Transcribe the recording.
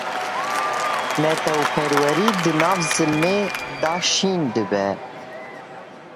Netewperwerî di nav zilmê da şîn dibe.